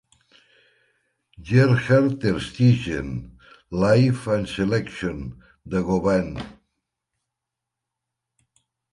"Gerhard Tersteegen: Life and Selections" de Govan.